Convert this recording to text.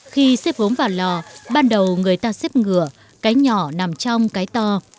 khi xếp gốm vào lò ban đầu người ta xếp ngựa cái nhỏ nằm trong cái to